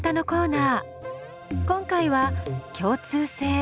今回は「共通性」。